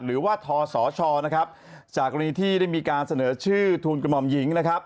หรือว่าทศชจากกรณีที่ได้มีการเสนอชื่อทุนกระหม่อมหญิง